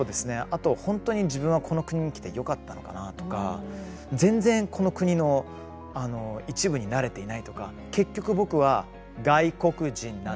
あと本当に自分はこの国に来てよかったのかなとか全然この国の一部になれていないとか結局、僕は外国人なんだなって。